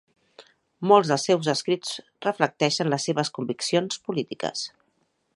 Molts dels seus escrits reflecteixen les seves conviccions polítiques.